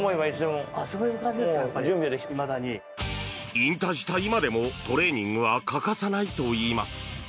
引退した今でもトレーニングは欠かさないといいます。